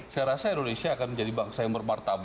saya rasa indonesia akan menjadi bangsa yang bermartabat